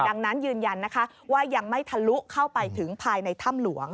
ดังนั้นยืนยันนะคะว่ายังไม่ทะลุเข้าไปถึงภายในถ้ำหลวง